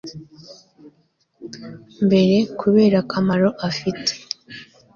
mbere kubera akamaro afite